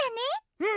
うん！